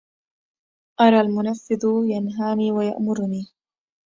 أرى المفند ينهاني ويأمرني